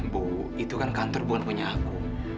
bu itu kan kantor bukan punya aku